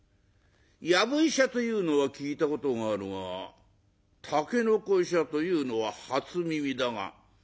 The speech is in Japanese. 『やぶ医者』というのは聞いたことがあるが『たけのこ医者』というのは初耳だが」。